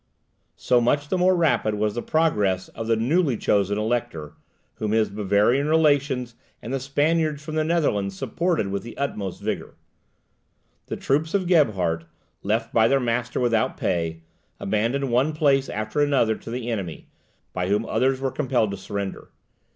So much the more rapid was the progress of the newly chosen elector, whom his Bavarian relations and the Spaniards from the Netherlands supported with the utmost vigour. The troops of Gebhard, left by their master without pay, abandoned one place after another to the enemy; by whom others were compelled to surrender.